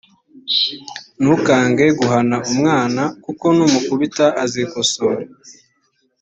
ntukange guhana umwana kuko numukubita azikosora